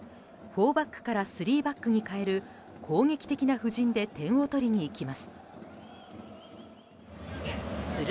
４バックから３バックに変える攻撃的な布陣で点を取りにいきます。